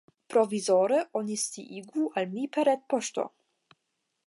Provizore oni sciigu al mi per retpoŝto.